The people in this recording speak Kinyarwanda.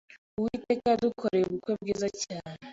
Uwiteka yadukoreye ubukwe bwiza cyane.